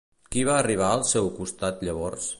Qui va arribar al seu costat llavors?